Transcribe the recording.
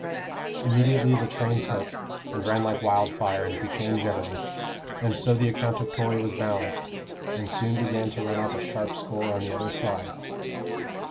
Immediately the train took, and ran like wildfire and became general. And so the account of Tory was balanced, and soon began to run up a sharp score on the other side."